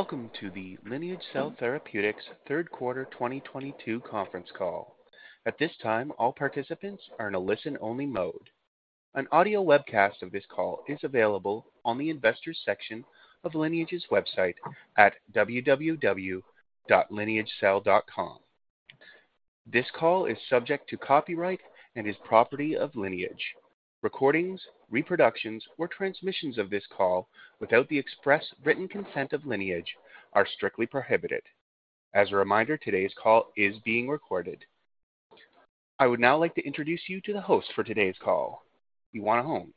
Welcome to the Lineage Cell Therapeutics third quarter 2022 conference call. At this time, all participants are in a listen-only mode. An audio webcast of this call is available on the Investors section of Lineage's website at www.lineagecell.com. This call is subject to copyright and is property of Lineage. Recordings, reproductions or transmissions of this call without the express written consent of Lineage are strictly prohibited. As a reminder, today's call is being recorded. I would now like to introduce you to the host for today's call, Ioana Hone,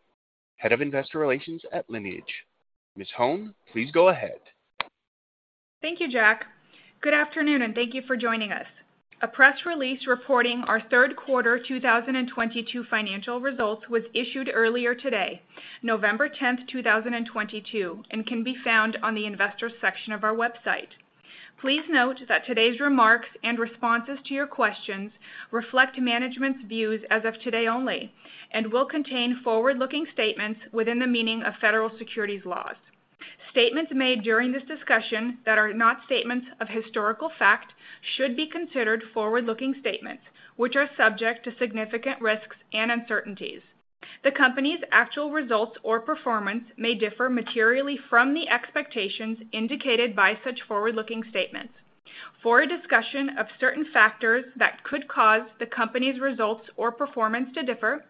Head of Investor Relations at Lineage. Ms. Hone, please go ahead. Thank you, Jack. Good afternoon, and thank you for joining us. A press release reporting our third quarter 2022 financial results was issued earlier today, November 10, 2022, and can be found on the investors section of our website. Please note that today's remarks and responses to your questions reflect management's views as of today only and will contain forward-looking statements within the meaning of federal securities laws. Statements made during this discussion that are not statements of historical fact should be considered forward-looking statements, which are subject to significant risks and uncertainties. The company's actual results or performance may differ materially from the expectations indicated by such forward-looking statements. For a discussion of certain factors that could cause the company's results or performance to differ,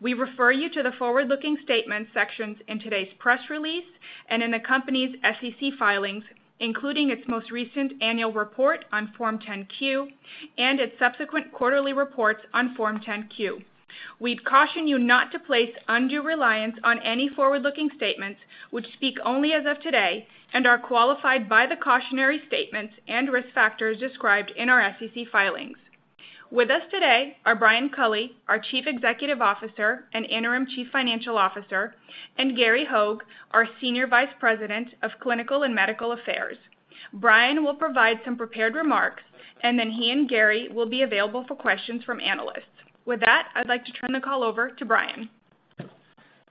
we refer you to the forward-looking statements sections in today's press release and in the company's SEC filings, including its most recent annual report on Form 10-K and its subsequent quarterly reports on Form 10-Q. We'd caution you not to place undue reliance on any forward-looking statements which speak only as of today and are qualified by the cautionary statements and risk factors described in our SEC filings. With us today are Brian Culley, our Chief Executive Officer and Interim Chief Financial Officer, and Gary Hogge, our Senior Vice President of Clinical and Medical Affairs. Brian will provide some prepared remarks, and then he and Gary will be available for questions from analysts. With that, I'd like to turn the call over to Brian.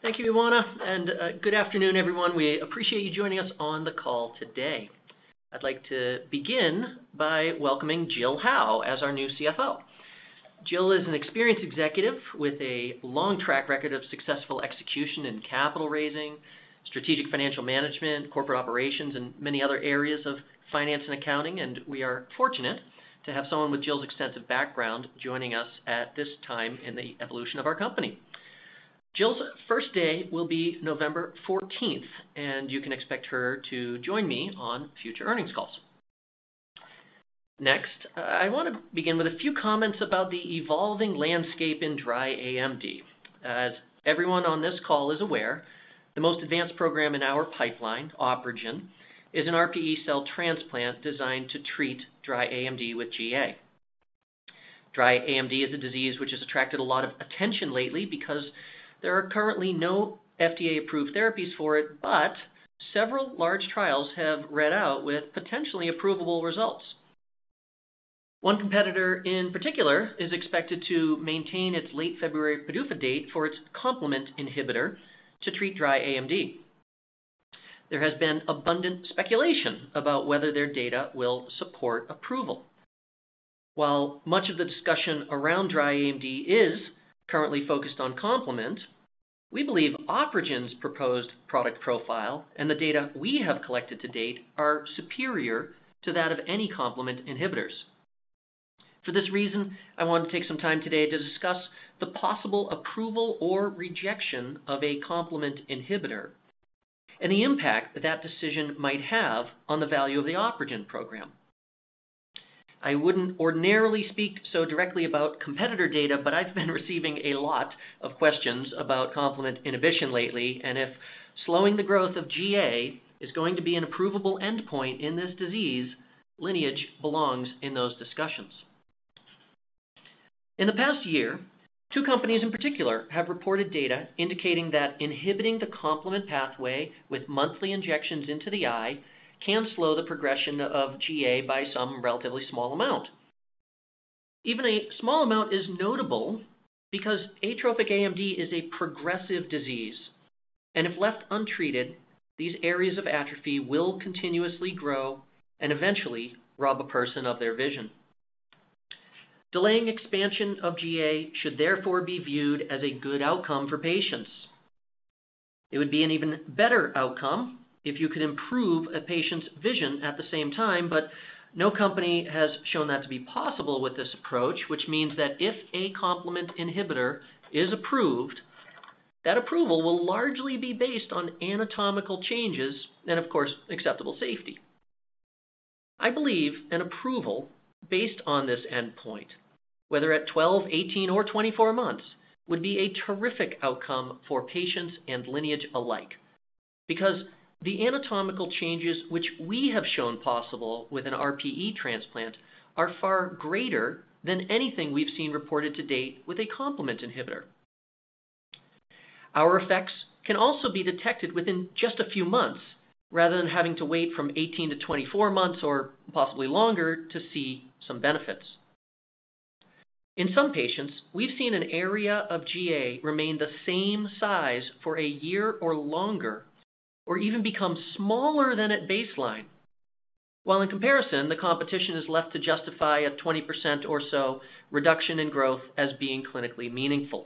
Thank you, Ioana, and good afternoon, everyone. We appreciate you joining us on the call today. I'd like to begin by welcoming Jill Howe as our new CFO. Jill is an experienced executive with a long track record of successful execution in capital raising, strategic financial management, corporate operations, and many other areas of finance and accounting, and we are fortunate to have someone with Jill's extensive background joining us at this time in the evolution of our company. Jill's first day will be November fourteenth, and you can expect her to join me on future earnings calls. Next, I want to begin with a few comments about the evolving landscape in dry AMD. As everyone on this call is aware, the most advanced program in our pipeline, OpRegen, is an RPE cell transplant designed to treat dry AMD with GA. dry AMD is a disease which has attracted a lot of attention lately because there are currently no FDA-approved therapies for it, but several large trials have read out with potentially approvable results. One competitor in particular is expected to maintain its late February PDUFA date for its complement inhibitor to treat dry AMD. There has been abundant speculation about whether their data will support approval. While much of the discussion around dry AMD is currently focused on complement, we believe OpRegen's proposed product profile and the data we have collected to date are superior to that of any complement inhibitors. For this reason, I want to take some time today to discuss the possible approval or rejection of a complement inhibitor and the impact that that decision might have on the value of the OpRegen program. I wouldn't ordinarily speak so directly about competitor data, but I've been receiving a lot of questions about complement inhibition lately, and if slowing the growth of GA is going to be an approvable endpoint in this disease, Lineage belongs in those discussions. In the past year, two companies in particular have reported data indicating that inhibiting the complement pathway with monthly injections into the eye can slow the progression of GA by some relatively small amount. Even a small amount is notable because atrophic AMD is a progressive disease, and if left untreated, these areas of atrophy will continuously grow and eventually rob a person of their vision. Delaying expansion of GA should therefore be viewed as a good outcome for patients. It would be an even better outcome if you could improve a patient's vision at the same time, but no company has shown that to be possible with this approach, which means that if a complement inhibitor is approved, that approval will largely be based on anatomical changes and of course, acceptable safety. I believe an approval based on this endpoint, whether at 12, 18, or 24 months, would be a terrific outcome for patients and Lineage alike because the anatomical changes which we have shown possible with an RPE transplant are far greater than anything we've seen reported to date with a complement inhibitor. Our effects can also be detected within just a few months rather than having to wait from 18-24 months or possibly longer to see some benefits. In some patients, we've seen an area of GA remain the same size for a year or longer or even become smaller than at baseline. While in comparison, the competition is left to justify a 20% or so reduction in growth as being clinically meaningful.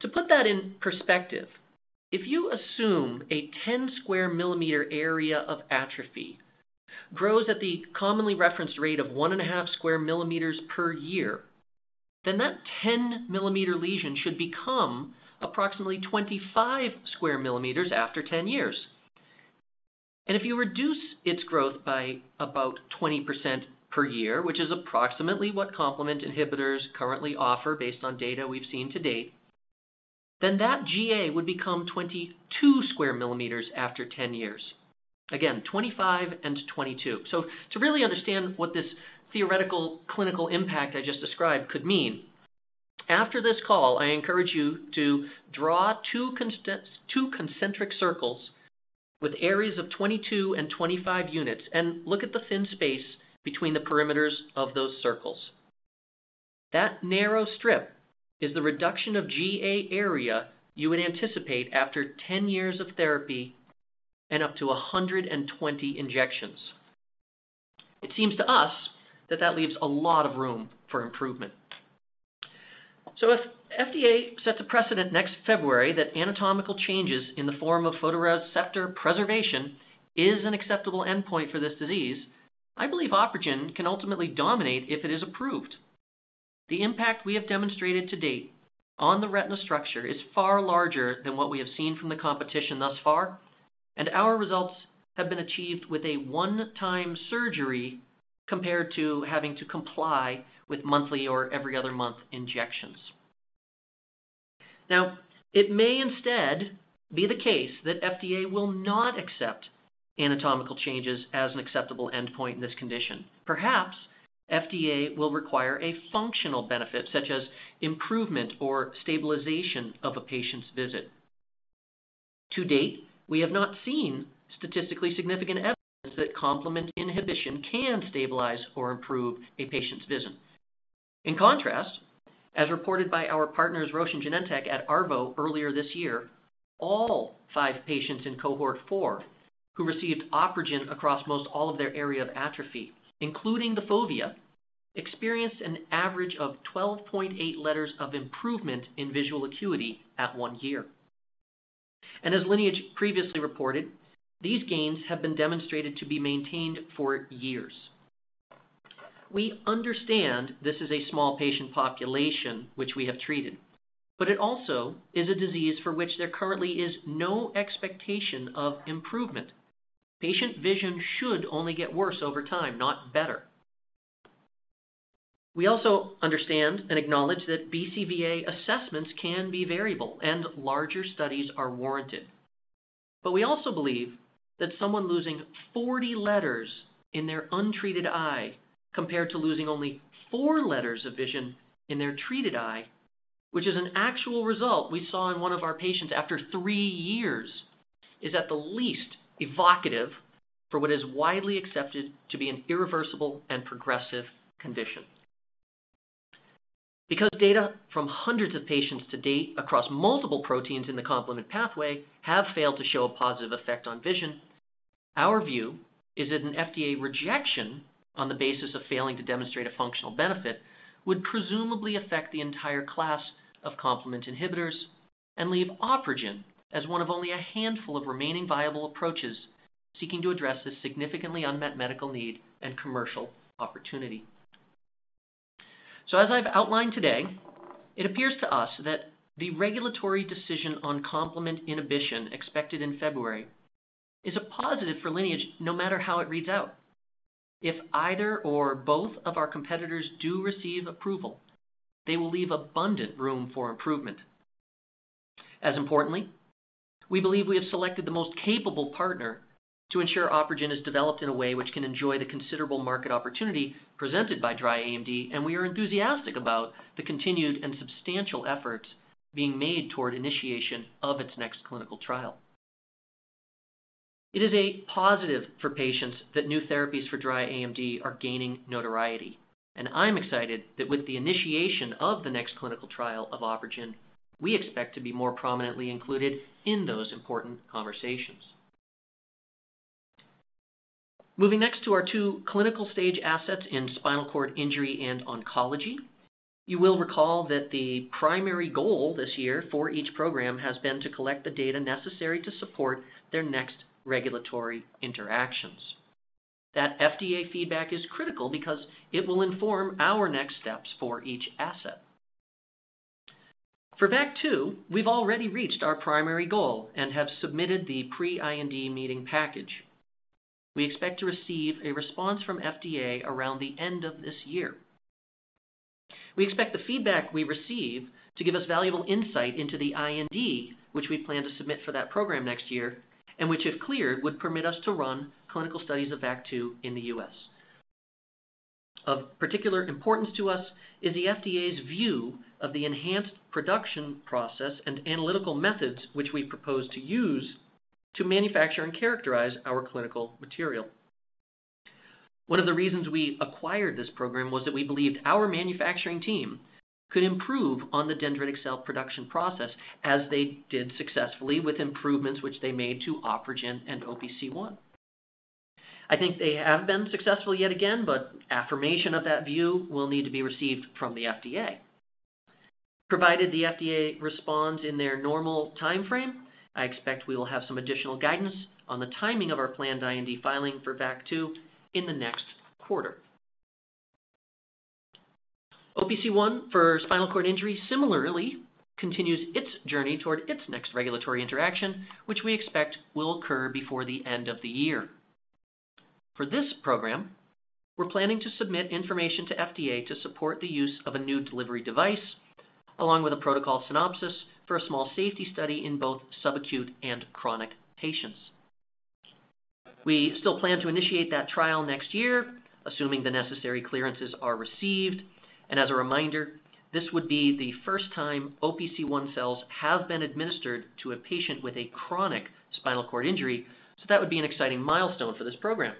To put that in perspective, if you assume a 10 square millimeter area of atrophy grows at the commonly referenced rate of 1.5 square millimeters per year, then that 10 mm lesion should become approximately 25 square millimeters after 10 years. If you reduce its growth by about 20% per year, which is approximately what complement inhibitors currently offer based on data we've seen to date, then that GA would become 22 square millimeters after 10 years. Again, 25 and 22. To really understand what this theoretical clinical impact I just described could mean, after this call, I encourage you to draw two concentric circles with areas of 22 and 25 units and look at the thin space between the perimeters of those circles. That narrow strip is the reduction of GA area you would anticipate after 10 years of therapy and up to 120 injections. It seems to us that leaves a lot of room for improvement. If FDA sets a precedent next February that anatomical changes in the form of photoreceptor preservation is an acceptable endpoint for this disease, I believe OpRegen can ultimately dominate if it is approved. The impact we have demonstrated to date on the retinal structure is far larger than what we have seen from the competition thus far, and our results have been achieved with a one-time surgery compared to having to comply with monthly or every other month injections. Now, it may instead be the case that FDA will not accept anatomical changes as an acceptable endpoint in this condition. Perhaps FDA will require a functional benefit, such as improvement or stabilization of a patient's vision. To date, we have not seen statistically significant evidence that complement inhibition can stabilize or improve a patient's vision. In contrast, as reported by our partners Roche and Genentech at ARVO earlier this year, all five patients in Cohort 4 who received OpRegen across most all of their area of atrophy, including the fovea, experienced an average of 12.8 letters of improvement in visual acuity at one year. As Lineage previously reported, these gains have been demonstrated to be maintained for years. We understand this is a small patient population which we have treated, but it also is a disease for which there currently is no expectation of improvement. Patient vision should only get worse over time, not better. We also understand and acknowledge that BCVA assessments can be variable and larger studies are warranted. We also believe that someone losing 40 letters in their untreated eye compared to losing only four letters of vision in their treated eye, which is an actual result we saw in 1 of our patients after 3 years, is at the least evocative for what is widely accepted to be an irreversible and progressive condition. Because data from hundreds of patients to date across multiple proteins in the complement pathway have failed to show a positive effect on vision, our view is that an FDA rejection on the basis of failing to demonstrate a functional benefit would presumably affect the entire class of complement inhibitors and leave OpRegen as one of only a handful of remaining viable approaches seeking to address this significantly unmet medical need and commercial opportunity. As I've outlined today, it appears to us that the regulatory decision on complement inhibition expected in February is a positive for Lineage, no matter how it reads out. If either or both of our competitors do receive approval, they will leave abundant room for improvement. As importantly, we believe we have selected the most capable partner to ensure OpRegen is developed in a way which can enjoy the considerable market opportunity presented by dry AMD, and we are enthusiastic about the continued and substantial efforts being made toward initiation of its next clinical trial. It is a positive for patients that new therapies for dry AMD are gaining notoriety, and I'm excited that with the initiation of the next clinical trial of OpRegen, we expect to be more prominently included in those important conversations. Moving next to our two clinical stage assets in spinal cord injury and oncology, you will recall that the primary goal this year for each program has been to collect the data necessary to support their next regulatory interactions. That FDA feedback is critical because it will inform our next steps for each asset. For VAC2, we've already reached our primary goal and have submitted the pre-IND meeting package. We expect to receive a response from FDA around the end of this year. We expect the feedback we receive to give us valuable insight into the IND, which we plan to submit for that program next year, and which, if cleared, would permit us to run clinical studies of VAC2 in the U.S. Of particular importance to us is the FDA's view of the enhanced production process and analytical methods which we propose to use to manufacture and characterize our clinical material. One of the reasons we acquired this program was that we believed our manufacturing team could improve on the dendritic cell production process, as they did successfully with improvements which they made to OpRegen and OPC1. I think they have been successful yet again, but affirmation of that view will need to be received from the FDA. Provided the FDA responds in their normal timeframe, I expect we will have some additional guidance on the timing of our planned IND filing for VAC2 in the next quarter. OPC1 for spinal cord injury similarly continues its journey toward its next regulatory interaction, which we expect will occur before the end of the year. For this program, we're planning to submit information to FDA to support the use of a new delivery device, along with a protocol synopsis for a small safety study in both subacute and chronic patients. We still plan to initiate that trial next year, assuming the necessary clearances are received. As a reminder, this would be the first time OPC1 cells have been administered to a patient with a chronic spinal cord injury, so that would be an exciting milestone for this program.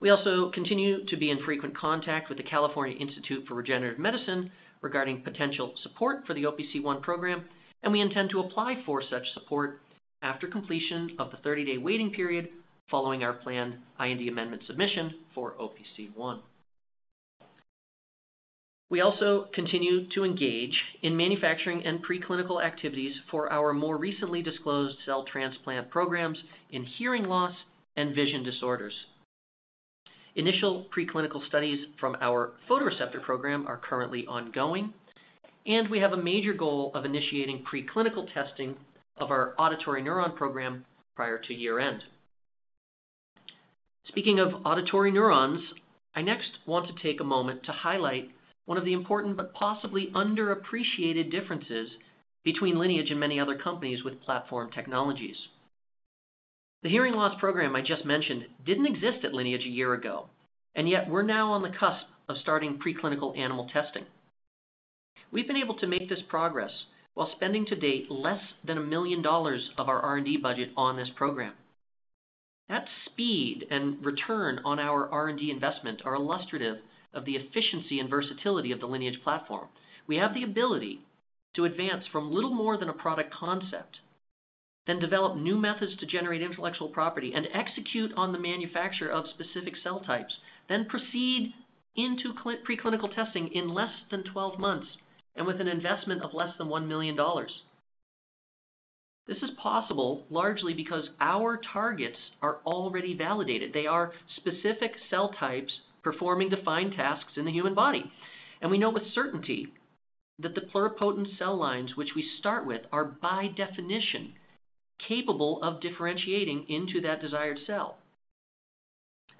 We also continue to be in frequent contact with the California Institute for Regenerative Medicine regarding potential support for the OPC1 program, and we intend to apply for such support after completion of the 30-day waiting period following our planned IND amendment submission for OPC1. We also continue to engage in manufacturing and preclinical activities for our more recently disclosed cell transplant programs in hearing loss and vision disorders. Initial preclinical studies from our photoreceptor program are currently ongoing, and we have a major goal of initiating preclinical testing of our auditory neuron program prior to year-end. Speaking of auditory neurons, I next want to take a moment to highlight one of the important but possibly underappreciated differences between Lineage and many other companies with platform technologies. The hearing loss program I just mentioned didn't exist at Lineage a year ago, and yet we're now on the cusp of starting preclinical animal testing. We've been able to make this progress while spending to date less than $1 million of our R&D budget on this program. That speed and return on our R&D investment are illustrative of the efficiency and versatility of the Lineage platform. We have the ability to advance from little more than a product concept, then develop new methods to generate intellectual property and execute on the manufacture of specific cell types, then proceed into preclinical testing in less than 12 months and with an investment of less than $1 million. This is possible largely because our targets are already validated. They are specific cell types performing defined tasks in the human body. We know with certainty that the pluripotent cell lines which we start with are by definition capable of differentiating into that desired cell.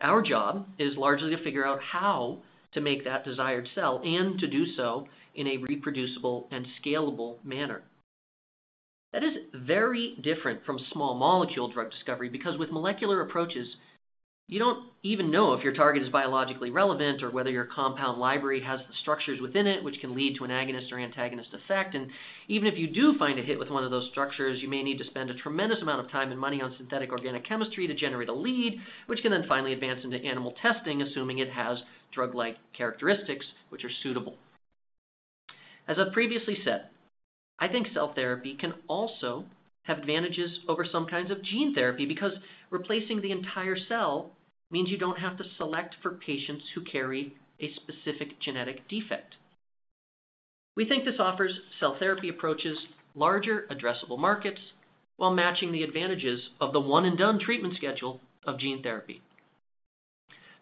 Our job is largely to figure out how to make that desired cell and to do so in a reproducible and scalable manner. That is very different from small molecule drug discovery because with molecular approaches, you don't even know if your target is biologically relevant or whether your compound library has the structures within it which can lead to an agonist or antagonist effect. Even if you do find a hit with one of those structures, you may need to spend a tremendous amount of time and money on synthetic organic chemistry to generate a lead, which can then finally advance into animal testing, assuming it has drug-like characteristics which are suitable. As I've previously said, I think cell therapy can also have advantages over some kinds of gene therapy because replacing the entire cell means you don't have to select for patients who carry a specific genetic defect. We think this offers cell therapy approaches larger addressable markets while matching the advantages of the one-and-done treatment schedule of gene therapy.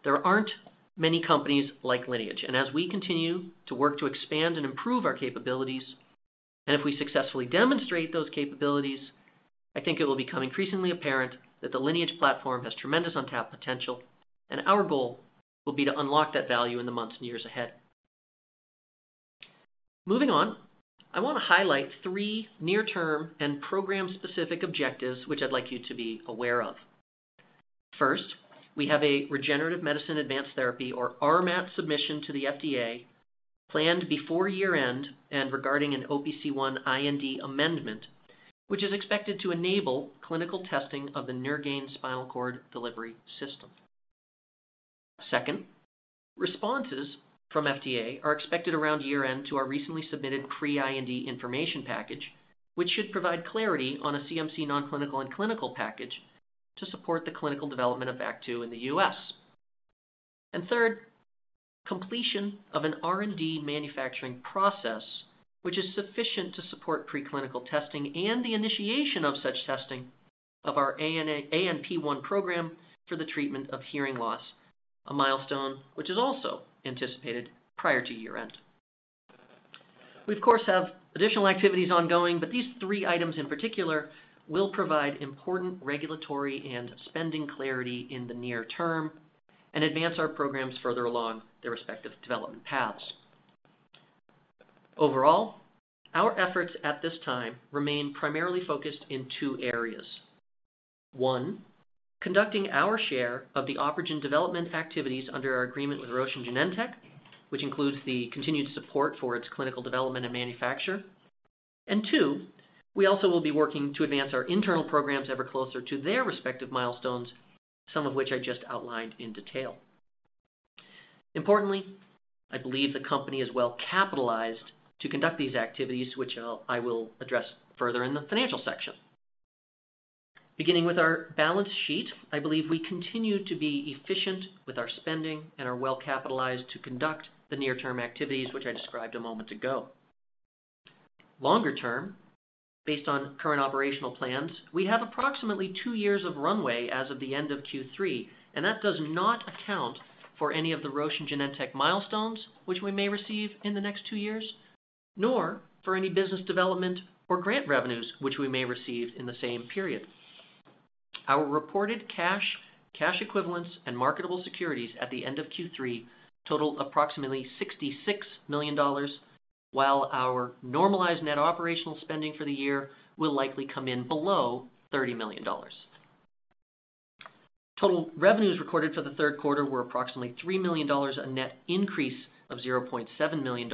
There aren't many companies like Lineage, and as we continue to work to expand and improve our capabilities, and if we successfully demonstrate those capabilities, I think it will become increasingly apparent that the Lineage platform has tremendous untapped potential, and our goal will be to unlock that value in the months and years ahead. Moving on, I wanna highlight three near-term and program-specific objectives which I'd like you to be aware of. First, we have a Regenerative Medicine Advanced Therapy, or RMAT submission to the FDA planned before year-end and regarding an OPC1 IND amendment, which is expected to enable clinical testing of the NervGen spinal cord delivery system. Second, responses from FDA are expected around year-end to our recently submitted pre-IND information package, which should provide clarity on a CMC non-clinical and clinical package to support the clinical development of VAC2 in the U.S. Third, completion of an R&D manufacturing process which is sufficient to support preclinical testing and the initiation of such testing of our ANP1 program for the treatment of hearing loss, a milestone which is also anticipated prior to year-end. We of course have additional activities ongoing, but these three items in particular will provide important regulatory and spending clarity in the near term and advance our programs further along their respective development paths. Overall, our efforts at this time remain primarily focused in two areas. One, conducting our share of the OpRegen development activities under our agreement with Roche and Genentech, which includes the continued support for its clinical development and manufacture. Two, we also will be working to advance our internal programs ever closer to their respective milestones, some of which I just outlined in detail. Importantly, I believe the company is well capitalized to conduct these activities, which I will address further in the financial section. Beginning with our balance sheet, I believe we continue to be efficient with our spending and are well capitalized to conduct the near-term activities, which I described a moment ago. Longer-term, based on current operational plans, we have approximately two years of runway as of the end of Q3, and that does not account for any of the Roche and Genentech milestones which we may receive in the next two years, nor for any business development or grant revenues which we may receive in the same period. Our reported cash equivalents, and marketable securities at the end of Q3 totaled approximately $66 million, while our normalized net operational spending for the year will likely come in below $30 million. Total revenues recorded for the third quarter were approximately $3 million, a net increase of $0.7 million,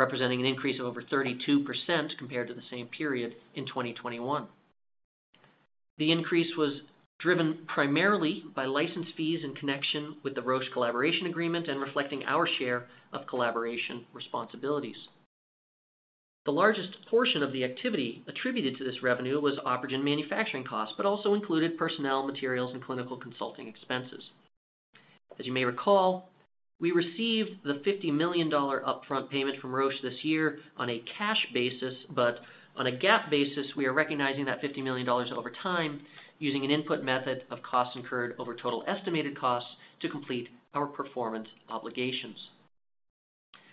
representing an increase of over 32% compared to the same period in 2021. The increase was driven primarily by license fees in connection with the Roche collaboration agreement and reflecting our share of collaboration responsibilities. The largest portion of the activity attributed to this revenue was OpRegen manufacturing costs, but also included personnel, materials, and clinical consulting expenses. As you may recall, we received the $50 million upfront payment from Roche this year on a cash basis, but on a GAAP basis, we are recognizing that $50 million over time using an input method of costs incurred over total estimated costs to complete our performance obligations.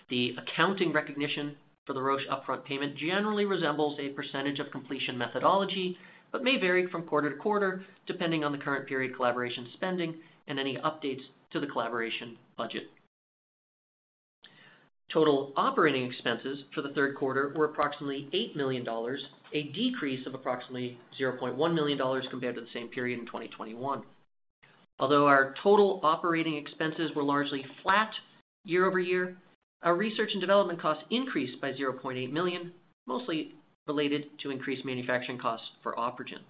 The accounting recognition for the Roche upfront payment generally resembles a percentage of completion methodology, but may vary from quarter-to-quarter, depending on the current period collaboration spending and any updates to the collaboration budget. Total operating expenses for the third quarter were approximately $8 million, a decrease of approximately $0.1 million compared to the same period in 2021. Although our total operating expenses were largely flat year-over-year, our research and development costs increased by $0.8 million, mostly related to increased manufacturing costs for OpRegen.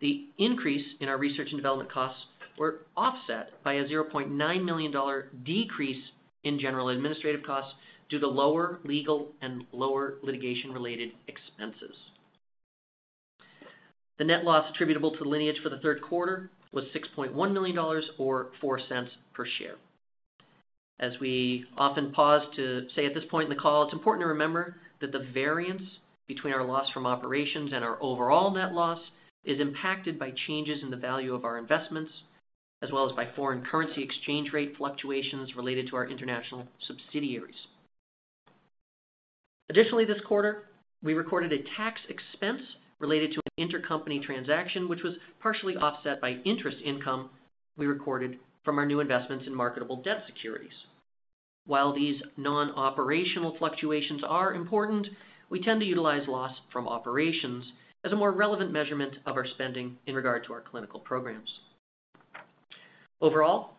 The increase in our research and development costs were offset by a $0.9 million decrease in general administrative costs due to lower legal and lower litigation-related expenses. The net loss attributable to Lineage for the third quarter was $6.1 million or $0.04 per share. As we often pause to say at this point in the call, it's important to remember that the variance between our loss from operations and our overall net loss is impacted by changes in the value of our investments, as well as by foreign currency exchange rate fluctuations related to our international subsidiaries. Additionally, this quarter, we recorded a tax expense related to an intercompany transaction, which was partially offset by interest income we recorded from our new investments in marketable debt securities. While these non-operational fluctuations are important, we tend to utilize loss from operations as a more relevant measurement of our spending in regard to our clinical programs. Overall,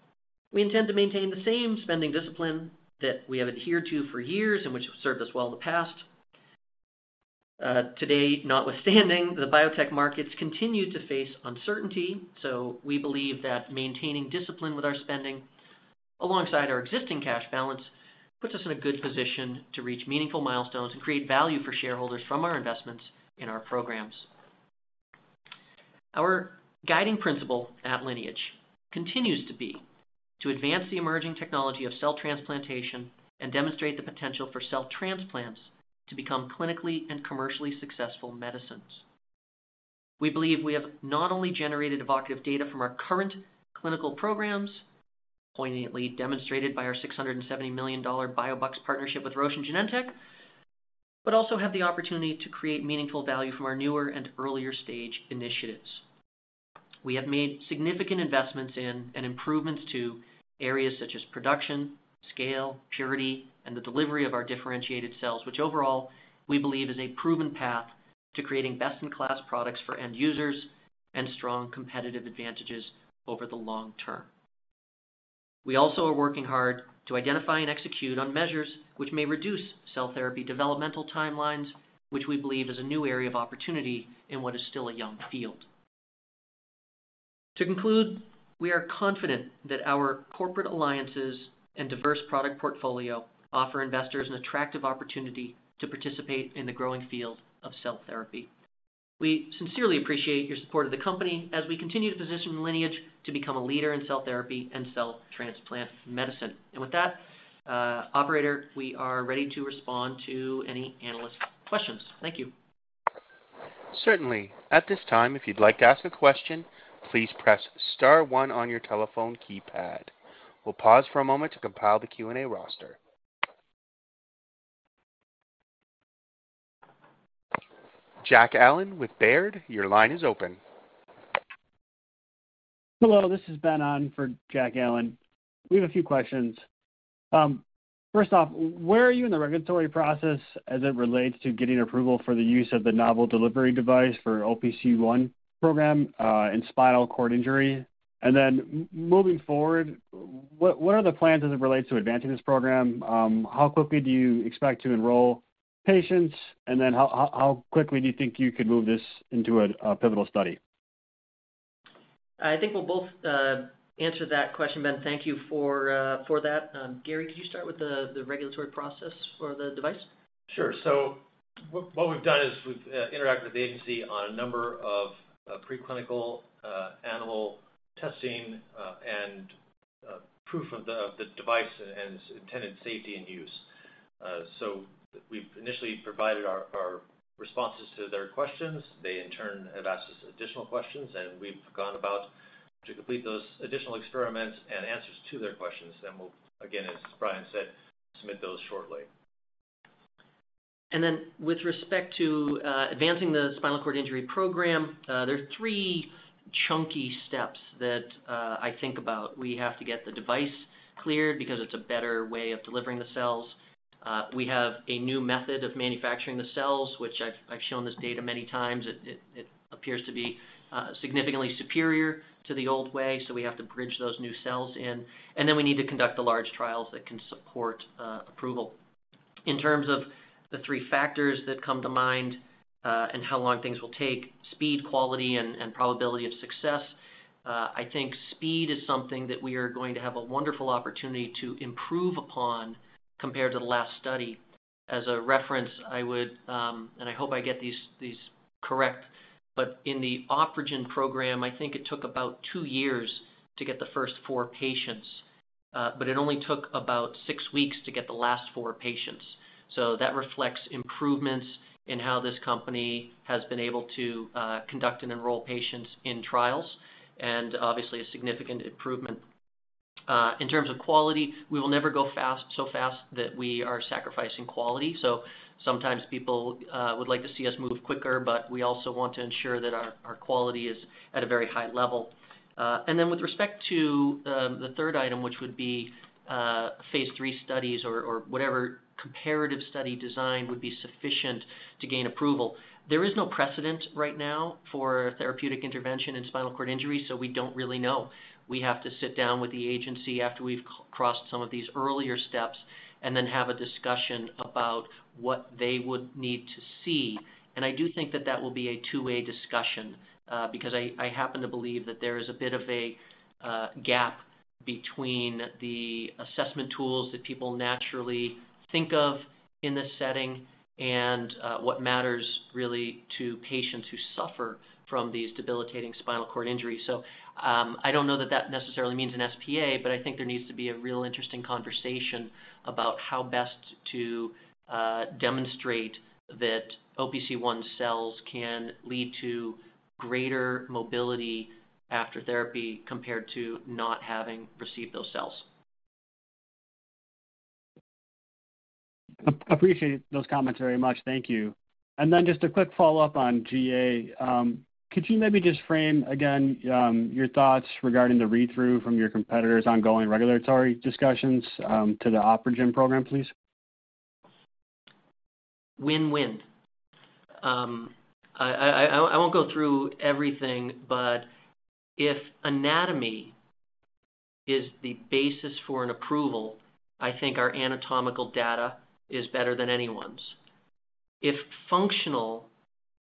we intend to maintain the same spending discipline that we have adhered to for years and which has served us well in the past. Today, notwithstanding, the biotech markets continue to face uncertainty, so we believe that maintaining discipline with our spending alongside our existing cash balance puts us in a good position to reach meaningful milestones and create value for shareholders from our investments in our programs. Our guiding principle at Lineage continues to be to advance the emerging technology of cell transplantation and demonstrate the potential for cell transplants to become clinically and commercially successful medicines. We believe we have not only generated evocative data from our current clinical programs, poignantly demonstrated by our $670 million biobucks partnership with Roche and Genentech, but also have the opportunity to create meaningful value from our newer and earlier stage initiatives. We have made significant investments in and improvements to areas such as production, scale, purity, and the delivery of our differentiated cells, which overall we believe is a proven path to creating best-in-class products for end users and strong competitive advantages over the long term. We also are working hard to identify and execute on measures which may reduce cell therapy developmental timelines, which we believe is a new area of opportunity in what is still a young field. To conclude, we are confident that our corporate alliances and diverse product portfolio offer investors an attractive opportunity to participate in the growing field of cell therapy. We sincerely appreciate your support of the company as we continue to position Lineage to become a leader in cell therapy and cell transplant medicine. With that, operator, we are ready to respond to any analyst questions. Thank you. Certainly. At this time, if you'd like to ask a question, please press star one on your telephone keypad. We'll pause for a moment to compile the Q&A roster. Jack Allen with Baird, your line is open. Hello, this is Ben on for Jack Allen. We have a few questions. First off, where are you in the regulatory process as it relates to getting approval for the use of the novel delivery device for OPC1 program, in spinal cord injury? Moving forward, what are the plans as it relates to advancing this program? How quickly do you expect to enroll patients? How quickly do you think you could move this into a pivotal study? I think we'll both answer that question, Ben. Thank you for that. Gary, could you start with the regulatory process for the device? Sure. What we've done is we've interacted with the agency on a number of preclinical animal testing and proof of the device and its intended safety and use. We've initially provided our responses to their questions. They in turn have asked us additional questions, and we've gone about to complete those additional experiments and answers to their questions. We'll, again, as Brian said, submit those shortly. With respect to advancing the spinal cord injury program, there are three chunky steps that I think about. We have to get the device cleared because it's a better way of delivering the cells. We have a new method of manufacturing the cells, which I've shown this data many times. It appears to be significantly superior to the old way, so we have to bridge those new cells in, and then we need to conduct the large trials that can support approval. In terms of the three factors that come to mind and how long things will take, speed, quality and probability of success, I think speed is something that we are going to have a wonderful opportunity to improve upon compared to the last study. As a reference, I would and I hope I get these correct, but in the OpRegen program, I think it took about two years to get the first four patients, but it only took about six weeks to get the last four patients. That reflects improvements in how this company has been able to conduct and enroll patients in trials, and obviously a significant improvement. In terms of quality, we will never go fast, so fast that we are sacrificing quality. Sometimes people would like to see us move quicker, but we also want to ensure that our quality is at a very high level. with respect to the third item, which would be phase 3 studies or whatever comparative study design would be sufficient to gain approval, there is no precedent right now for therapeutic intervention in spinal cord injury, so we don't really know. We have to sit down with the agency after we've crossed some of these earlier steps, and then have a discussion about what they would need to see. I do think that will be a two-way discussion, because I happen to believe that there is a bit of a gap between the assessment tools that people naturally think of in this setting and what matters really to patients who suffer from these debilitating spinal cord injuries. I don't know that that necessarily means an SPA, but I think there needs to be a real interesting conversation about how best to demonstrate that OPC1 cells can lead to greater mobility after therapy compared to not having received those cells. Appreciate those comments very much. Thank you. Just a quick follow-up on GA. Could you maybe just frame again your thoughts regarding the read-through from your competitor's ongoing regulatory discussions to the OpRegen program, please? Win-win. I won't go through everything, but if anatomy is the basis for an approval, I think our anatomical data is better than anyone's. If functional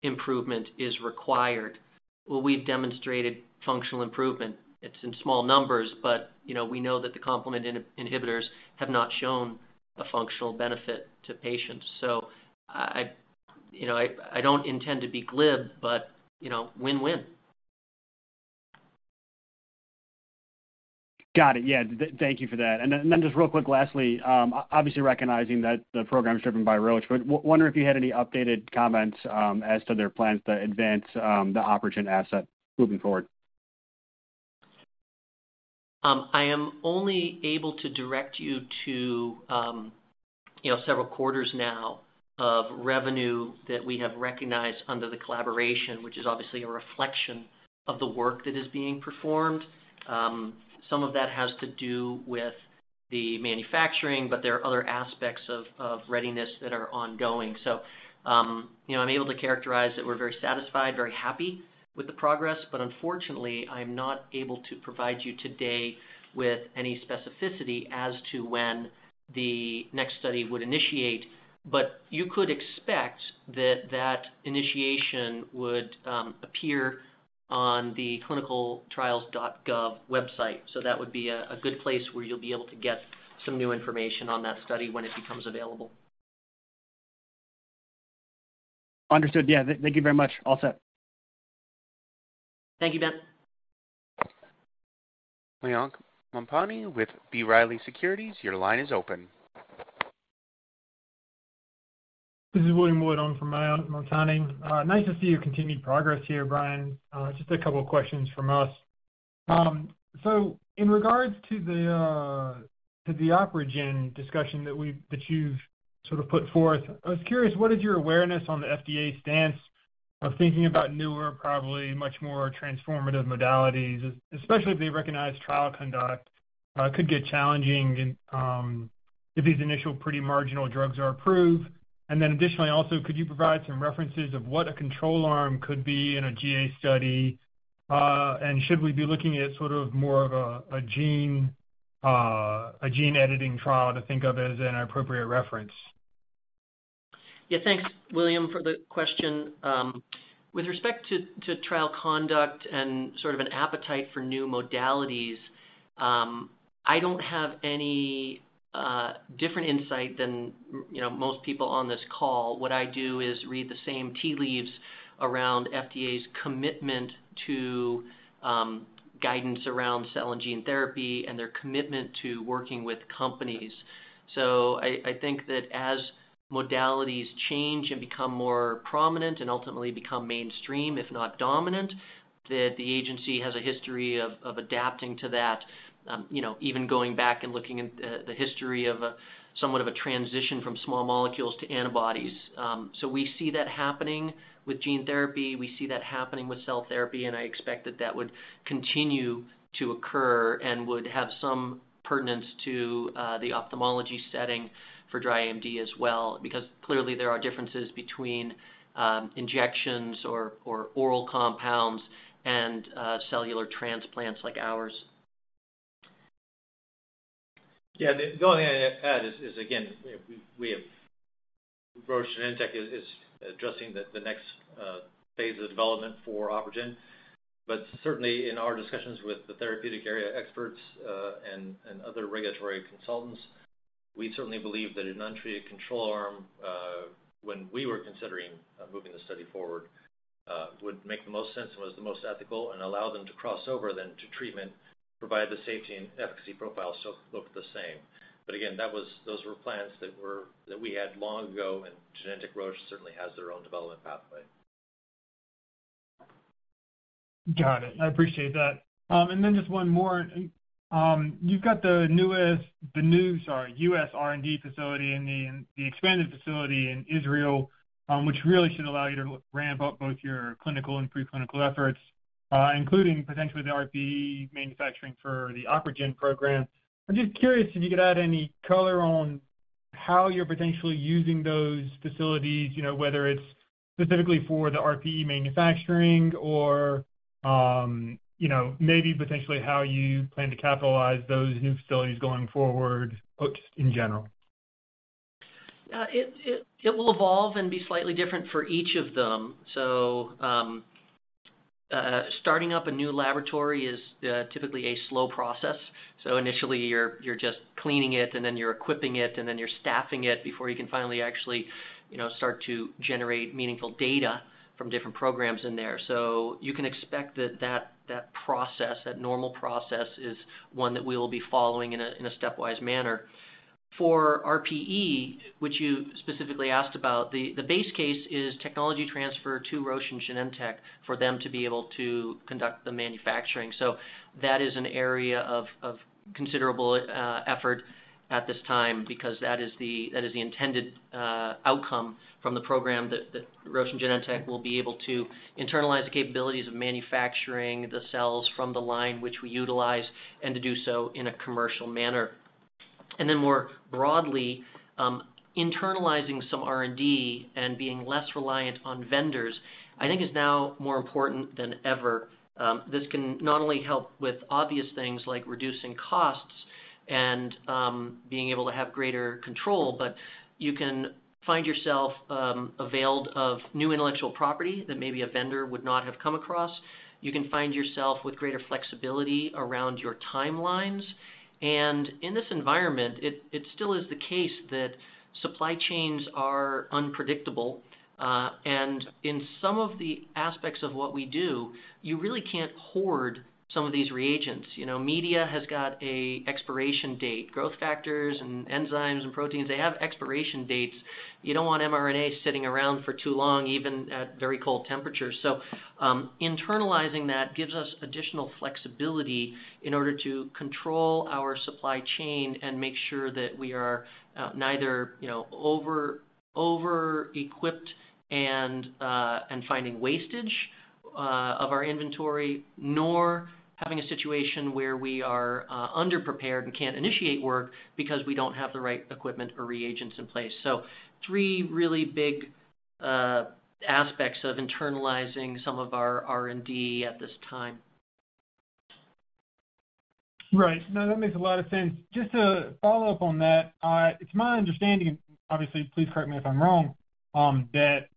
improvement is required, well, we've demonstrated functional improvement. It's in small numbers, but, you know, we know that the complement inhibitors have not shown a functional benefit to patients. You know, I don't intend to be glib, but, you know, win-win. Got it. Yeah. Thank you for that. Just real quick lastly, obviously recognizing that the program's driven by Roche, but wonder if you had any updated comments, as to their plans to advance the OpRegen asset moving forward? I am only able to direct you to, you know, several quarters now of revenue that we have recognized under the collaboration, which is obviously a reflection of the work that is being performed. Some of that has to do with the manufacturing, but there are other aspects of readiness that are ongoing. You know, I'm able to characterize that we're very satisfied, very happy with the progress, but unfortunately, I'm not able to provide you today with any specificity as to when the next study would initiate. You could expect that initiation would appear on the clinicaltrials.gov website. That would be a good place where you'll be able to get some new information on that study when it becomes available. Understood. Yeah. Thank you very much. All set. Thank you, Ben. Mayank Mamtani with B. Riley Securities, your line is open. This is William Wood on for Mayank Mamtani. Nice to see your continued progress here, Brian. Just a couple of questions from us. So in regards to the OpRegen discussion that you've sort of put forth. I was curious, what is your awareness on the FDA stance of thinking about newer, probably much more transformative modalities, especially if they recognize trial conduct could get challenging in if these initial pretty marginal drugs are approved. Additionally, also, could you provide some references of what a control arm could be in a GA study? Should we be looking at sort of more of a gene editing trial to think of as an appropriate reference? Yeah. Thanks, William, for the question. With respect to trial conduct and sort of an appetite for new modalities, I don't have any different insight than you know most people on this call. What I do is read the same tea leaves around FDA's commitment to guidance around cell and gene therapy and their commitment to working with companies. I think that as modalities change and become more prominent and ultimately become mainstream, if not dominant, that the agency has a history of adapting to that you know even going back and looking at the history of somewhat of a transition from small molecules to antibodies. We see that happening with gene therapy, we see that happening with cell therapy, and I expect that would continue to occur and would have some pertinence to the ophthalmology setting for dry AMD as well, because clearly there are differences between injections or oral compounds and cellular transplants like ours. Yeah. The only thing I'd add is again, you know, Roche Genentech is addressing the next phase of development for OpRegen. Certainly in our discussions with the therapeutic area experts and other regulatory consultants, we certainly believe that an untreated control arm, when we were considering moving the study forward, would make the most sense and was the most ethical and allow them to cross over then to treatment, provided the safety and efficacy profile still looked the same. Again, those were plans that we had long ago, and Genentech Roche certainly has their own development pathway. Got it. I appreciate that. Just one more. You've got the new U.S. R&D facility and the expanded facility in Israel, which really should allow you to ramp up both your clinical and pre-clinical efforts, including potentially the RPE manufacturing for the OpRegen program. I'm just curious if you could add any color on how you're potentially using those facilities, you know, whether it's specifically for the RPE manufacturing or, you know, maybe potentially how you plan to capitalize those new facilities going forward, or just in general. It will evolve and be slightly different for each of them. Starting up a new laboratory is typically a slow process. Initially you're just cleaning it and then you're equipping it and then you're staffing it before you can finally actually, you know, start to generate meaningful data from different programs in there. You can expect that process, that normal process is one that we will be following in a stepwise manner. For RPE, which you specifically asked about, the base case is technology transfer to Roche and Genentech for them to be able to conduct the manufacturing. That is an area of considerable effort at this time because that is the intended outcome from the program that Roche and Genentech will be able to internalize the capabilities of manufacturing the cells from the Lineage which we utilize and to do so in a commercial manner. More broadly, internalizing some R&D and being less reliant on vendors, I think is now more important than ever. This can not only help with obvious things like reducing costs and being able to have greater control, but you can find yourself availed of new intellectual property that maybe a vendor would not have come across. You can find yourself with greater flexibility around your timelines. In this environment, it still is the case that supply chains are unpredictable. In some of the aspects of what we do, you really can't hoard some of these reagents. You know, media has got a expiration date. Growth factors and enzymes and proteins, they have expiration dates. You don't want mRNA sitting around for too long, even at very cold temperatures. Internalizing that gives us additional flexibility in order to control our supply chain and make sure that we are neither, you know, over equipped and finding wastage of our inventory, nor having a situation where we are underprepared and can't initiate work because we don't have the right equipment or reagents in place. Three really big aspects of internalizing some of our R&D at this time. Right. No, that makes a lot of sense. Just to follow up on that, it's my understanding, obviously please correct me if I'm wrong, that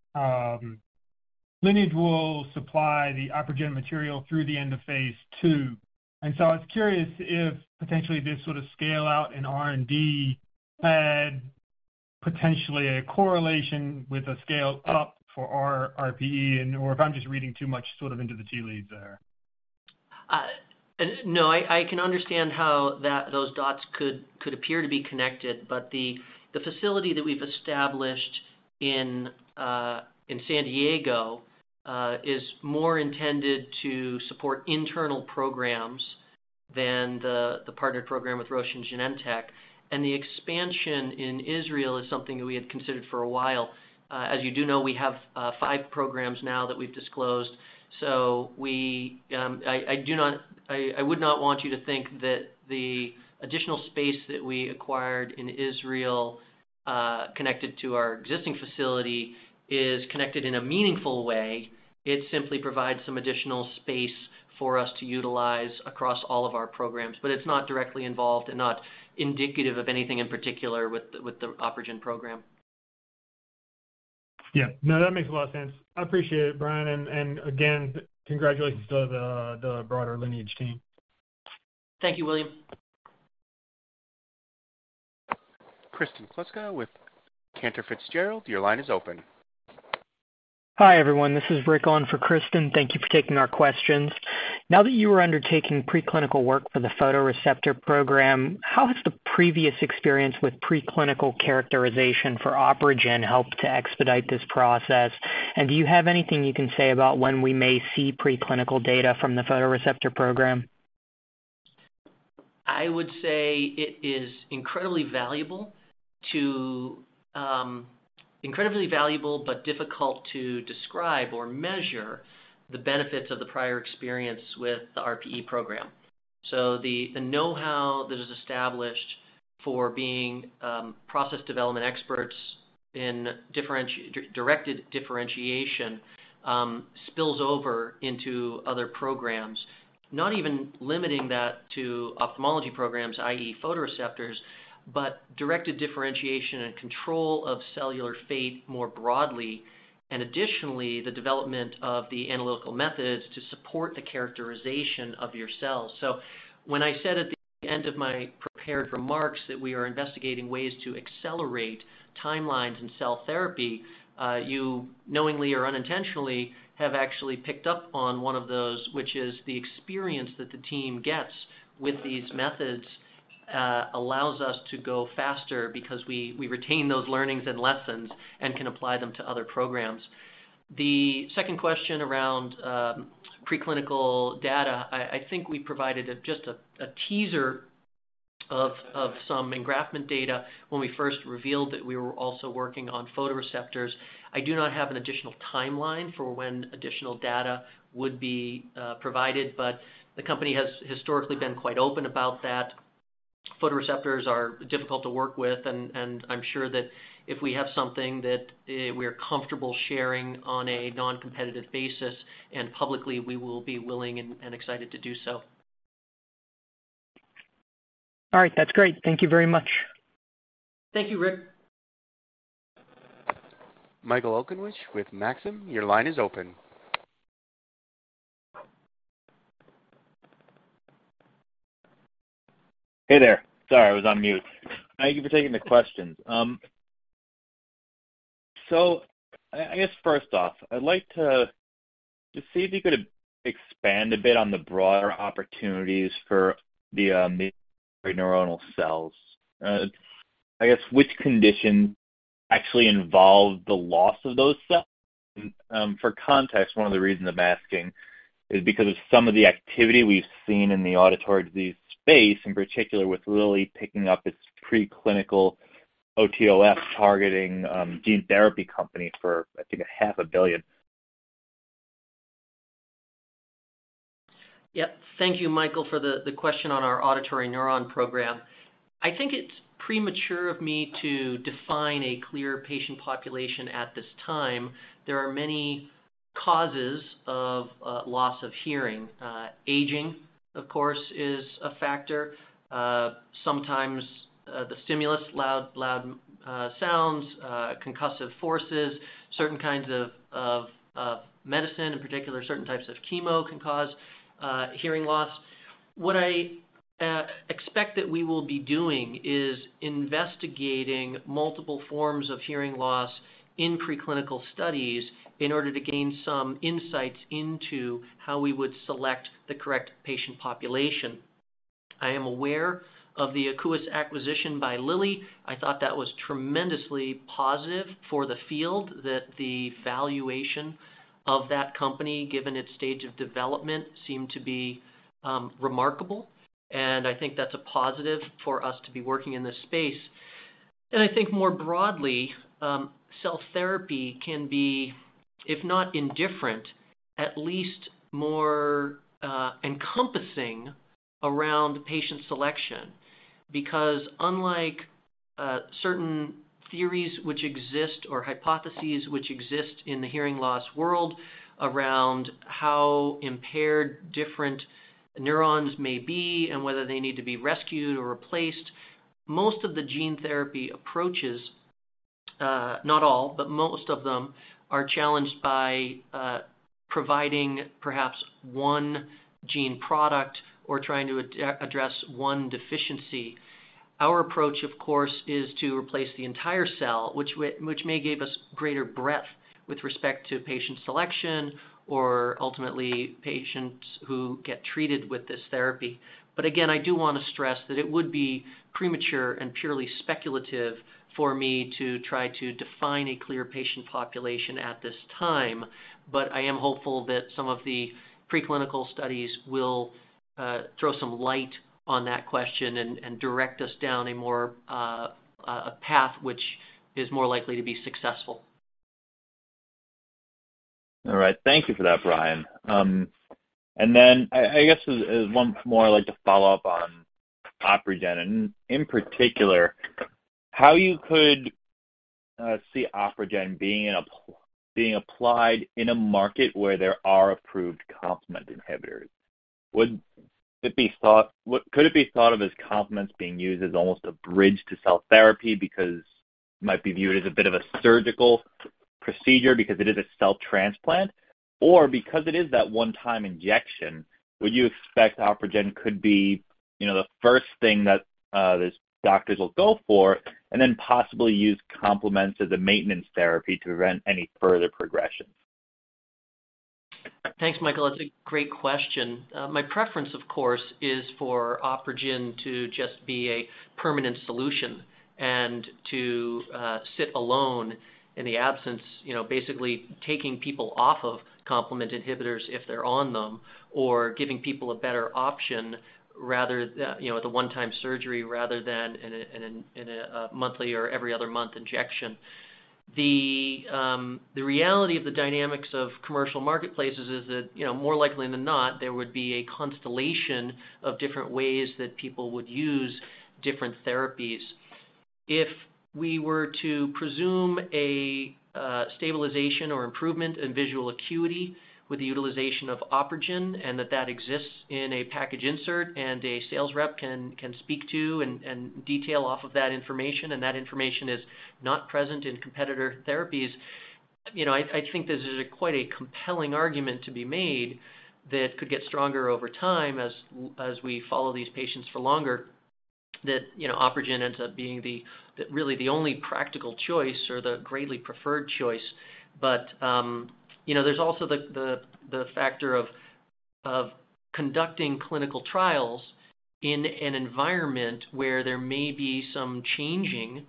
Lineage will supply the OpRegen material through the end of phase two. I was curious if potentially this sort of scale-out in R&D had potentially a correlation with a scale-up for RPE and/or if I'm just reading too much sort of into the tea leaves there. I can understand how those dots could appear to be connected, but the facility that we've established in San Diego is more intended to support internal programs than the partnered program with Roche and Genentech. The expansion in Israel is something that we had considered for a while. As you do know, we have five programs now that we've disclosed. I would not want you to think that the additional space that we acquired in Israel, connected to our existing facility, is connected in a meaningful way. It simply provides some additional space for us to utilize across all of our programs. But it's not directly involved and not indicative of anything in particular with the OpRegen program. Yeah. No, that makes a lot of sense. I appreciate it, Brian. Again, congratulations to the broader Lineage team. Thank you, William. Kristen Kluska with Cantor Fitzgerald, your line is open. Hi, everyone. This is Rick on for Kristen. Thank you for taking our questions. Now that you are undertaking preclinical work for the photoreceptor program, how has the previous experience with preclinical characterization for OpRegen helped to expedite this process? Do you have anything you can say about when we may see preclinical data from the photoreceptor program? I would say it is incredibly valuable but difficult to describe or measure the benefits of the prior experience with the RPE program. The know-how that is established for being process development experts in directed differentiation spills over into other programs, not even limiting that to ophthalmology programs, i.e., photoreceptors, but directed differentiation and control of cellular fate more broadly, and additionally, the development of the analytical methods to support the characterization of your cells. When I said at the end of my prepared remarks that we are investigating ways to accelerate timelines in cell therapy, you knowingly or unintentionally have actually picked up on one of those, which is the experience that the team gets with these methods, allows us to go faster because we retain those learnings and lessons and can apply them to other programs. The second question around preclinical data, I think we provided just a teaser of some engraftment data when we first revealed that we were also working on photoreceptors. I do not have an additional timeline for when additional data would be provided, but the company has historically been quite open about that. Photoreceptors are difficult to work with and I'm sure that if we have something that we are comfortable sharing on a non-competitive basis and publicly, we will be willing and excited to do so. All right. That's great. Thank you very much. Thank you, Rick. Michael Okunewitch with Maxim, your line is open. Hey there. Sorry, I was on mute. Thank you for taking the questions. I guess first off, I'd like to just see if you could expand a bit on the broader opportunities for the neuronal cells. I guess which condition actually involved the loss of those cells? For context, one of the reasons I'm asking is because of some of the activity we've seen in the auditory disease space, in particular with Lilly picking up its preclinical OTOF targeting gene therapy company for, I think, a half a billion. Yeah. Thank you, Michael, for the question on our auditory neuron program. I think it's premature of me to define a clear patient population at this time. There are many causes of loss of hearing. Aging, of course, is a factor. Sometimes the stimulus, loud sounds, concussive forces, certain kinds of medicine, in particular, certain types of chemo can cause hearing loss. What I expect that we will be doing is investigating multiple forms of hearing loss in preclinical studies in order to gain some insights into how we would select the correct patient population. I am aware of the Akouos acquisition by Lilly. I thought that was tremendously positive for the field, that the valuation of that company, given its stage of development, seemed to be remarkable. I think that's a positive for us to be working in this space. I think more broadly, cell therapy can be, if not indifferent, at least more, encompassing around patient selection. Because unlike, certain theories which exist or hypotheses which exist in the hearing loss world around how impaired different neurons may be and whether they need to be rescued or replaced, most of the gene therapy approaches, not all, but most of them are challenged by, providing perhaps one gene product or trying to address one deficiency. Our approach, of course, is to replace the entire cell, which may give us greater breadth with respect to patient selection or ultimately patients who get treated with this therapy. Again, I do wanna stress that it would be premature and purely speculative for me to try to define a clear patient population at this time. I am hopeful that some of the preclinical studies will throw some light on that question and direct us down a path which is more likely to be successful. All right. Thank you for that, Brian. I guess there's one more I'd like to follow up on OpRegen and in particular, how you could see OpRegen being applied in a market where there are approved complement inhibitors. Could it be thought of as complement being used as almost a bridge to cell therapy because it might be viewed as a bit of a surgical procedure because it is a cell transplant? Or because it is that one-time injection, would you expect OpRegen could be the first thing that these doctors will go for and then possibly use complement as a maintenance therapy to prevent any further progression? Thanks, Michael. That's a great question. My preference, of course, is for OpRegen to just be a permanent solution and to sit alone in the absence, you know, basically taking people off of complement inhibitors if they're on them or giving people a better option, you know, the one-time surgery rather than in a monthly or every other month injection. The reality of the dynamics of commercial marketplaces is that, you know, more likely than not, there would be a constellation of different ways that people would use different therapies. If we were to presume a stabilization or improvement in visual acuity with the utilization of OpRegen and that exists in a package insert and a sales rep can speak to and detail off of that information and that information is not present in competitor therapies, you know, I think this is a quite a compelling argument to be made that could get stronger over time as we follow these patients for longer that, you know, OpRegen ends up being the really the only practical choice or the greatly preferred choice. You know, there's also the factor of conducting clinical trials in an environment where there may be some changing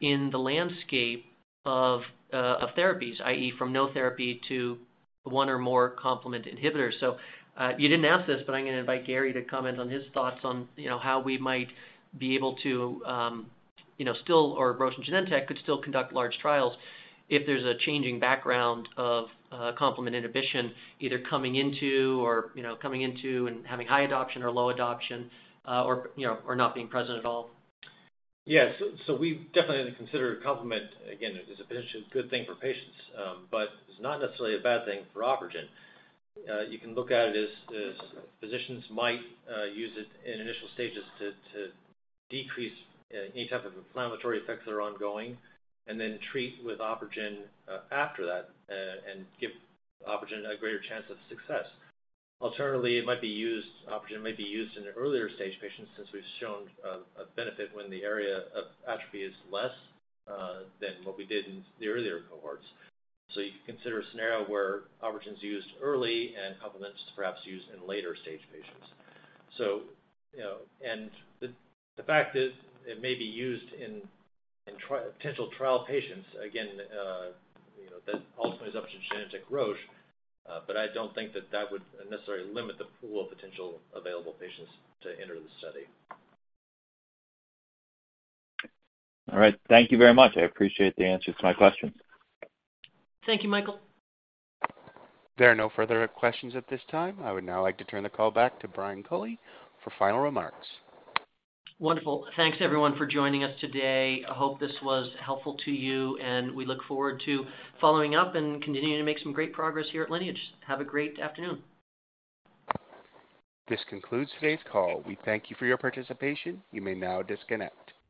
in the landscape of therapies, i.e., from no therapy to one or more complement inhibitors. You didn't ask this, but I'm gonna invite Gary to comment on his thoughts on, you know, how we might be able to, you know, still or Roche and Genentech could still conduct large trials if there's a changing background of, complement inhibition either coming into or, you know, coming into and having high adoption or low adoption, or, you know, or not being present at all. Yeah. We've definitely considered complement, again, as a potentially good thing for patients, but it's not necessarily a bad thing for OpRegen. You can look at it as physicians might use it in initial stages to decrease any type of inflammatory effects that are ongoing and then treat with OpRegen after that, and give OpRegen a greater chance of success. Alternatively, it might be used, OpRegen might be used in earlier stage patients since we've shown a benefit when the area of atrophy is less than what we did in the earlier cohorts. You could consider a scenario where OpRegen's used early and complement's perhaps used in later stage patients. You know... The fact is it may be used in tripotential trial patients, again, you know, that ultimately is up to Genentech/Roche, but I don't think that would necessarily limit the pool of potential available patients to enter the study. All right. Thank you very much. I appreciate the answers to my questions. Thank you, Michael. There are no further questions at this time. I would now like to turn the call back to Brian Culley for final remarks. Wonderful. Thanks everyone for joining us today. I hope this was helpful to you, and we look forward to following up and continuing to make some great progress here at Lineage. Have a great afternoon. This concludes today's call. We thank you for your participation. You may now disconnect.